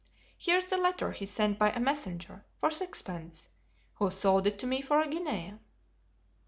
Here's the letter he sent by a messenger, for sixpence, who sold it to me for a guinea."